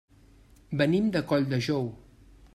Venim de Colldejou.